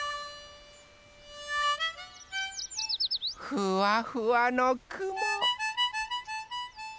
ふわふわのくも。